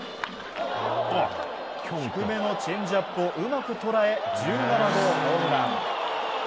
低めのチェンジアップをうまく捉え１７号ホームラン。